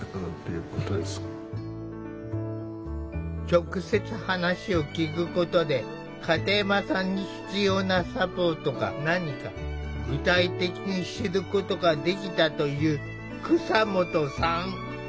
直接話を聞くことで片山さんに必要なサポートが何か具体的に知ることができたという蒼下さん。